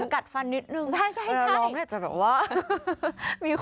คุณยิ้มมุมปาก